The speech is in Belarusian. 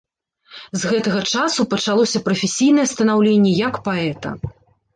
З гэтага часу пачалося прафесійнае станаўленне як паэта.